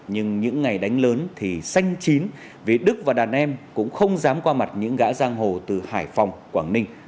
nhưng những ngày đánh lớn thì xanh chín vì đức và đàn em cũng không dám qua mặt những ngã giang hồ từ hải phòng quảng ninh